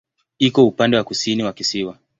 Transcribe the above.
Iko upande wa kusini wa kisiwa.